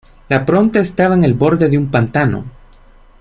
La pronta estaba en el borde de un pantano.